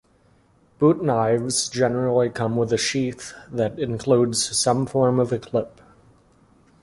Boot knives generally come with a sheath that includes some form of a clip.